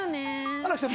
新木さん